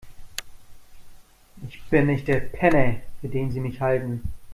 Ich bin nicht der Penner, für den Sie mich halten.